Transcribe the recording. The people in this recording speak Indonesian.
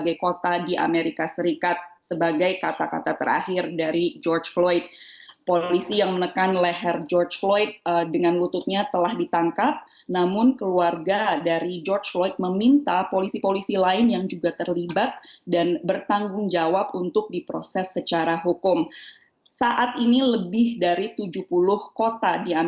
itu adalah video yang diambil di sosial media yang memberikan informasi bahwa masa tidak pernah terjadi